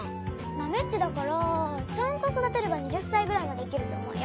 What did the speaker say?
まめっちだからちゃんと育てれば２０歳ぐらいまで生きると思うよ。